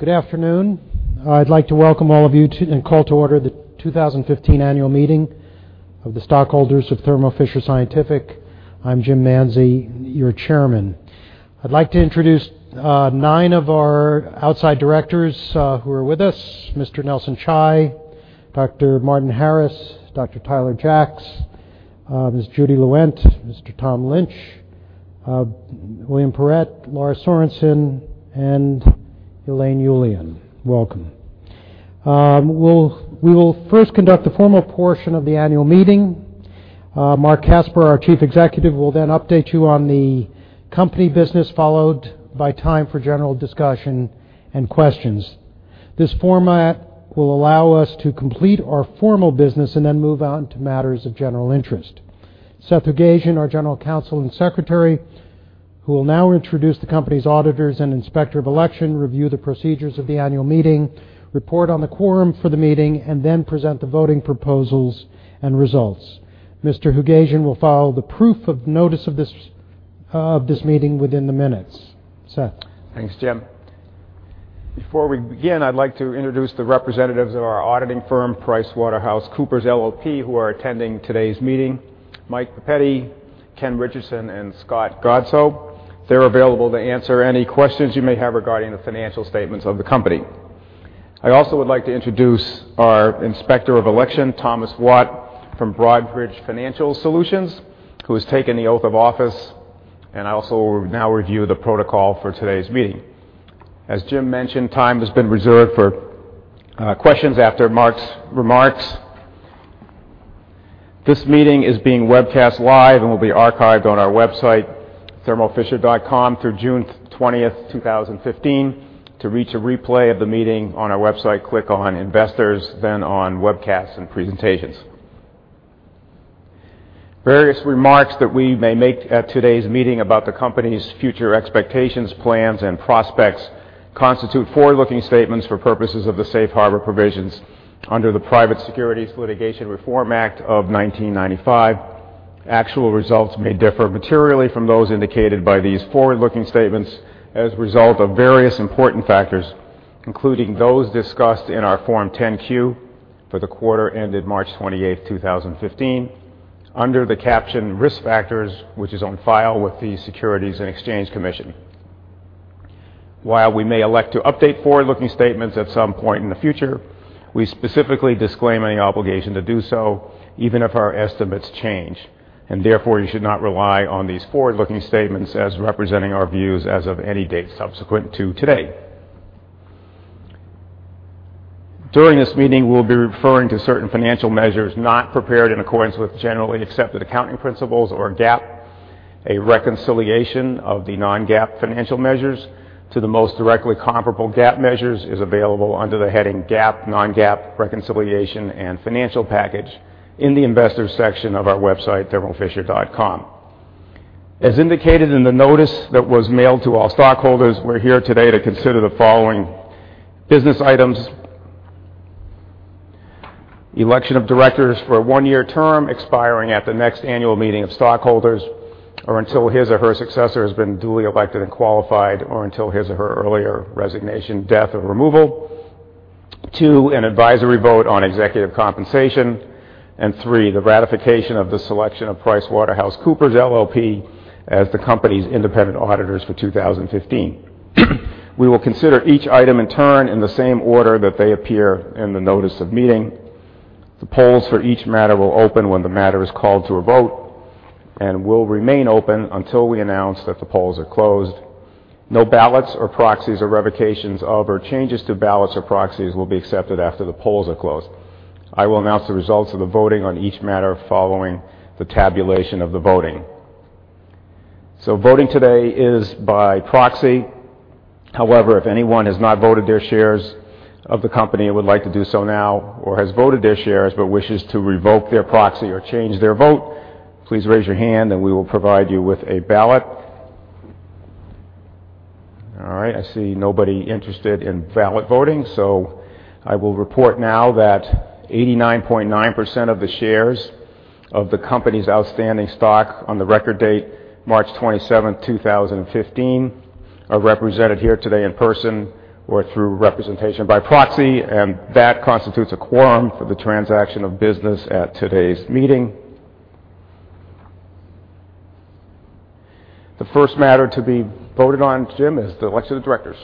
Good afternoon. I'd like to welcome all of you and call to order the 2015 annual meeting of the stockholders of Thermo Fisher Scientific. I'm Jim Manzi, your Chairman. I'd like to introduce nine of our outside Directors who are with us, Mr. Nelson Chai, Dr. Martin Harris, Dr. Tyler Jacks, Ms. Judy Lewent, Mr. Tom Lynch, William Parrett, Lars Sørensen, and Elaine Ullian. Welcome. We will first conduct the formal portion of the annual meeting. Marc Casper, our Chief Executive, will then update you on the company business, followed by time for general discussion and questions. This format will allow us to complete our formal business and then move on to matters of general interest. Seth Hoogasian, our General Counsel and Secretary, who will now introduce the company's auditors and Inspector of Election, review the procedures of the annual meeting, report on the quorum for the meeting, and then present the voting proposals and results. Mr. Hoogasian will file the proof of notice of this meeting within the minutes. Seth. Thanks, Jim. Before we begin, I'd like to introduce the representatives of our auditing firm, PricewaterhouseCoopers LLP, who are attending today's meeting, Michael Papetti, Ken Richardson, and Scott Godsoe. They're available to answer any questions you may have regarding the financial statements of the company. I also would like to introduce our Inspector of Election, Thomas Watt from Broadridge Financial Solutions, who has taken the oath of office. I also will now review the protocol for today's meeting. As Jim mentioned, time has been reserved for questions after Marc's remarks. This meeting is being webcast live and will be archived on our website, thermofisher.com, through June 20th, 2015. To reach a replay of the meeting on our website, click on Investors, on Webcasts and Presentations. Various remarks that we may make at today's meeting about the company's future expectations, plans, and prospects constitute forward-looking statements for purposes of the safe harbor provisions under the Private Securities Litigation Reform Act of 1995. Actual results may differ materially from those indicated by these forward-looking statements as a result of various important factors, including those discussed in our Form 10-Q for the quarter ended March 28th, 2015, under the caption Risk Factors, which is on file with the Securities and Exchange Commission. While we may elect to update forward-looking statements at some point in the future, we specifically disclaim any obligation to do so, even if our estimates change. Therefore, you should not rely on these forward-looking statements as representing our views as of any date subsequent to today. During this meeting, we'll be referring to certain financial measures not prepared in accordance with generally accepted accounting principles or GAAP. A reconciliation of the non-GAAP financial measures to the most directly comparable GAAP measures is available under the heading GAAP, non-GAAP reconciliation and financial package in the investor section of our website, thermofisher.com. As indicated in the notice that was mailed to all stockholders, we're here today to consider the following business items. Election of directors for a one-year term expiring at the next annual meeting of stockholders, or until his or her successor has been duly elected and qualified, or until his or her earlier resignation, death, or removal. Two, an advisory vote on executive compensation. Three, the ratification of the selection of PricewaterhouseCoopers LLP as the company's independent auditors for 2015. We will consider each item in turn in the same order that they appear in the notice of meeting. The polls for each matter will open when the matter is called to a vote and will remain open until we announce that the polls are closed. No ballots or proxies or revocations of, or changes to ballots or proxies will be accepted after the polls are closed. I will announce the results of the voting on each matter following the tabulation of the voting. Voting today is by proxy. However, if anyone has not voted their shares of the company and would like to do so now or has voted their shares but wishes to revoke their proxy or change their vote, please raise your hand and we will provide you with a ballot. All right. I see nobody interested in ballot voting. I will report now that 89.9% of the shares of the company's outstanding stock on the record date, March 27, 2015, are represented here today in person or through representation by proxy, and that constitutes a quorum for the transaction of business at today's meeting. The first matter to be voted on, Jim, is the election of directors.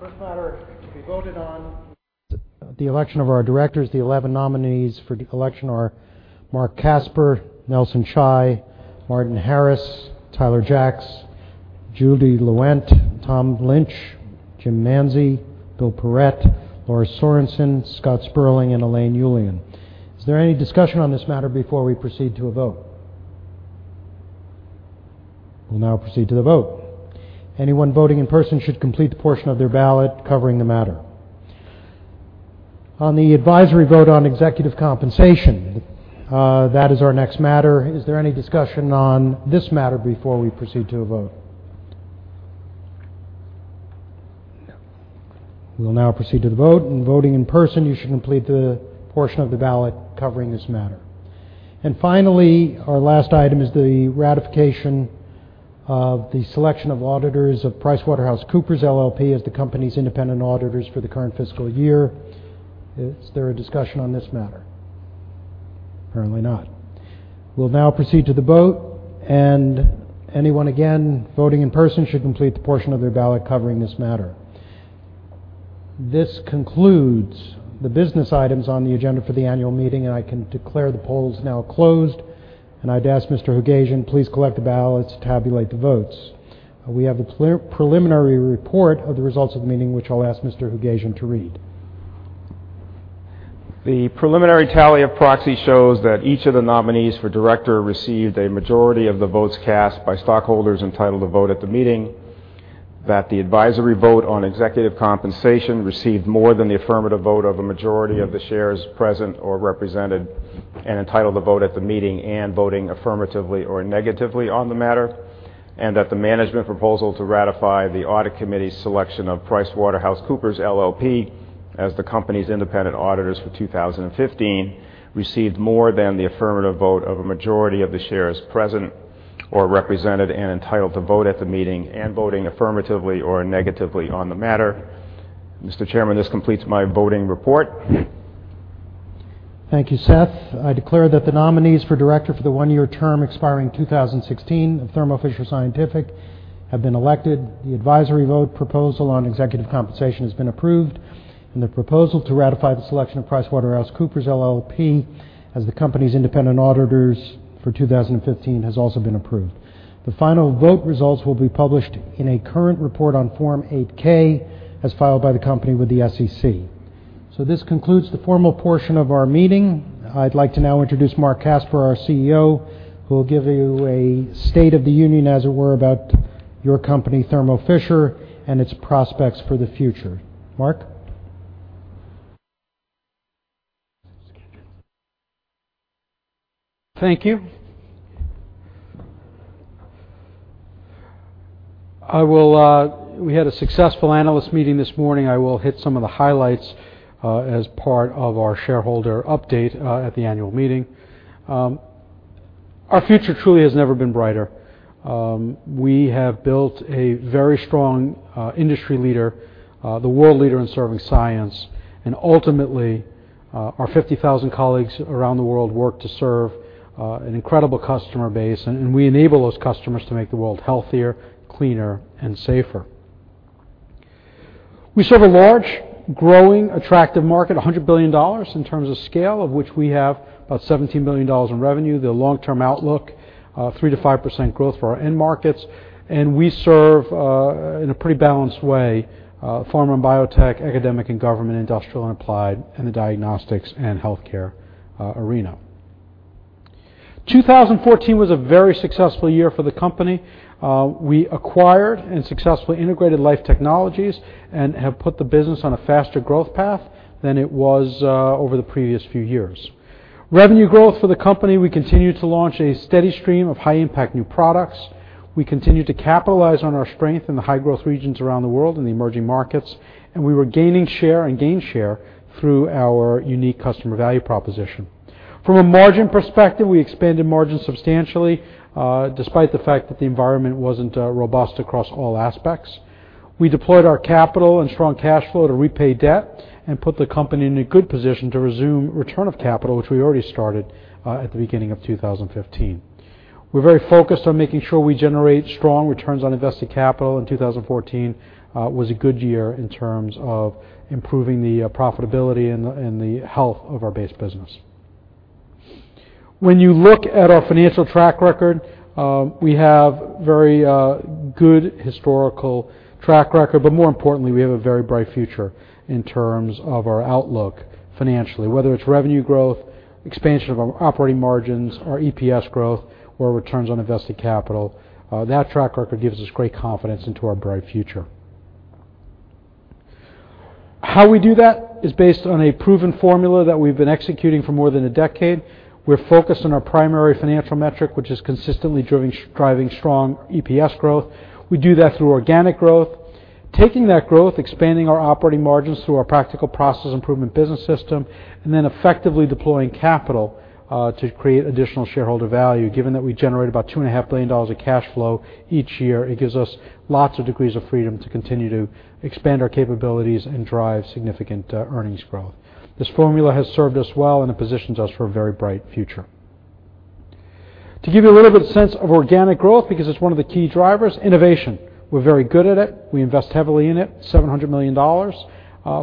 First matter to be voted on, the election of our directors. The 11 nominees for the election are Marc Casper, Nelson Chai, Martin Harris, Tyler Jacks, Judy Lewent, Tom Lynch, Jim Manzi, Bill Parrett, Laura Sorenson, Scott Sperling, and Elaine Ullian. Is there any discussion on this matter before we proceed to a vote? We'll now proceed to the vote. Anyone voting in person should complete the portion of their ballot covering the matter. On the advisory vote on executive compensation, that is our next matter. Is there any discussion on this matter before we proceed to a vote? No. We will now proceed to the vote. Voting in person, you should complete the portion of the ballot covering this matter. Finally, our last item is the ratification of the selection of auditors of PricewaterhouseCoopers LLP as the company's independent auditors for the current fiscal year. Is there a discussion on this matter? Apparently not. We'll now proceed to the vote. Anyone, again, voting in person should complete the portion of their ballot covering this matter. This concludes the business items on the agenda for the annual meeting. I can declare the polls now closed. I'd ask Mr. Hoogasian, please collect the ballots to tabulate the votes. We have the preliminary report of the results of the meeting, which I'll ask Mr. Hoogasian to read. The preliminary tally of proxies shows that each of the nominees for director received a majority of the votes cast by stockholders entitled to vote at the meeting, that the advisory vote on executive compensation received more than the affirmative vote of a majority of the shares present or represented and entitled to vote at the meeting and voting affirmatively or negatively on the matter, and that the management proposal to ratify the audit committee's selection of PricewaterhouseCoopers LLP as the company's independent auditors for 2015 received more than the affirmative vote of a majority of the shares present or represented and entitled to vote at the meeting and voting affirmatively or negatively on the matter. Mr. Chairman, this completes my voting report. Thank you, Seth. I declare that the nominees for director for the one-year term expiring 2016 of Thermo Fisher Scientific have been elected. The advisory vote proposal on executive compensation has been approved. The proposal to ratify the selection of PricewaterhouseCoopers LLP as the company's independent auditors for 2015 has also been approved. The final vote results will be published in a current report on Form 8-K as filed by the company with the SEC. This concludes the formal portion of our meeting. I'd like to now introduce Marc Casper, our CEO, who will give you a state of the union, as it were, about your company, Thermo Fisher, and its prospects for the future. Marc? Thank you. We had a successful analyst meeting this morning. I will hit some of the highlights as part of our shareholder update at the annual meeting. Our future truly has never been brighter. We have built a very strong industry leader, the world leader in serving science. Ultimately, our 50,000 colleagues around the world work to serve an incredible customer base. We enable those customers to make the world healthier, cleaner, and safer. We serve a large, growing, attractive market, $100 billion in terms of scale, of which we have about $17 billion in revenue. The long-term outlook, 3% to 5% growth for our end markets. We serve in a pretty balanced way, pharma and biotech, academic and government, industrial and applied, and the diagnostics and healthcare arena. 2014 was a very successful year for the company. We acquired and successfully integrated Life Technologies and have put the business on a faster growth path than it was over the previous few years. Revenue growth for the company, we continued to launch a steady stream of high-impact new products. We continued to capitalize on our strength in the high-growth regions around the world in the emerging markets, and we were gaining share and gained share through our unique customer value proposition. From a margin perspective, we expanded margins substantially, despite the fact that the environment wasn't robust across all aspects. We deployed our capital and strong cash flow to repay debt and put the company in a good position to resume return of capital, which we already started at the beginning of 2015. 2014 was a good year in terms of improving the profitability and the health of our base business. When you look at our financial track record, we have very good historical track record. More importantly, we have a very bright future in terms of our outlook financially. Whether it's revenue growth, expansion of our operating margins, our EPS growth, or returns on invested capital, that track record gives us great confidence into our bright future. How we do that is based on a proven formula that we've been executing for more than a decade. We're focused on our primary financial metric, which is consistently driving strong EPS growth. We do that through organic growth, taking that growth, expanding our operating margins through our practical process improvement business system, and then effectively deploying capital to create additional shareholder value. Given that we generate about $2.5 billion of cash flow each year, it gives us lots of degrees of freedom to continue to expand our capabilities and drive significant earnings growth. This formula has served us well. It positions us for a very bright future. To give you a little bit of sense of organic growth, because it's one of the key drivers, innovation. We're very good at it. We invest heavily in it, $700 million.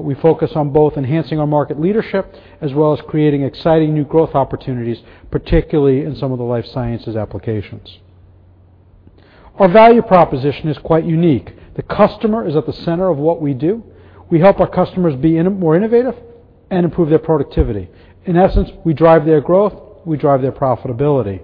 We focus on both enhancing our market leadership as well as creating exciting new growth opportunities, particularly in some of the life sciences applications. Our value proposition is quite unique. The customer is at the center of what we do. We help our customers be more innovative and improve their productivity. In essence, we drive their growth, we drive their profitability.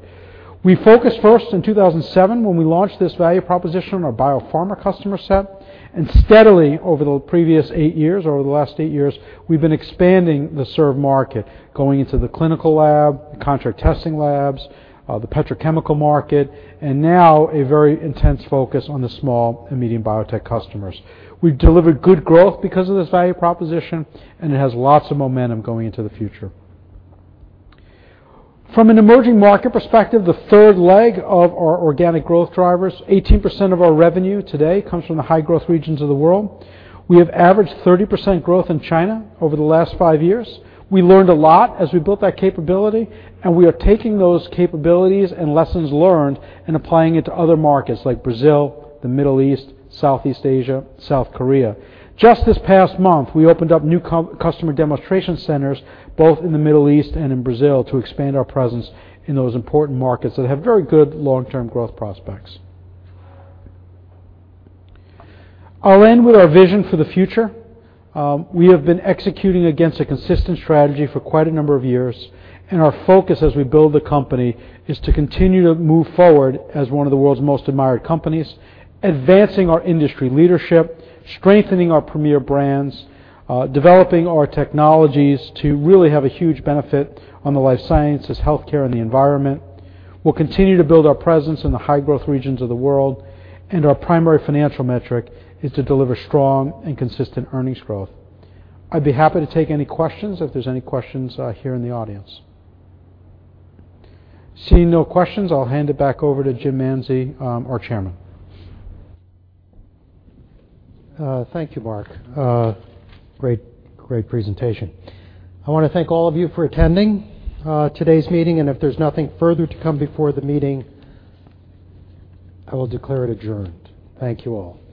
We focused first in 2007 when we launched this value proposition on our biopharma customer set, and steadily over the previous eight years, or over the last eight years, we've been expanding the served market, going into the clinical lab, contract testing labs, the petrochemical market, and now a very intense focus on the small and medium biotech customers. We've delivered good growth because of this value proposition, and it has lots of momentum going into the future. From an emerging market perspective, the third leg of our organic growth drivers, 18% of our revenue today comes from the high-growth regions of the world. We have averaged 30% growth in China over the last five years. We learned a lot as we built that capability. We are taking those capabilities and lessons learned and applying it to other markets like Brazil, the Middle East, Southeast Asia, South Korea. Just this past month, we opened up new customer demonstration centers both in the Middle East and in Brazil to expand our presence in those important markets that have very good long-term growth prospects. I'll end with our vision for the future. Our focus as we build the company is to continue to move forward as one of the world's most admired companies, advancing our industry leadership, strengthening our premier brands, developing our technologies to really have a huge benefit on the life sciences, healthcare, and the environment. We'll continue to build our presence in the high-growth regions of the world. Our primary financial metric is to deliver strong and consistent earnings growth. I'd be happy to take any questions if there's any questions here in the audience. Seeing no questions, I'll hand it back over to Jim Manzi, our chairman. Thank you, Marc. Great presentation. I want to thank all of you for attending today's meeting. If there's nothing further to come before the meeting, I will declare it adjourned. Thank you all.